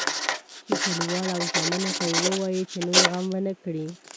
چې کلیوال او زامنو ته یې ووایي چې نور غم ونه کړي.